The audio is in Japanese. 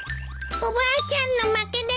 おばあちゃんの負けです。